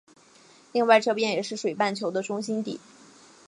另外这边也是水半球的中心地。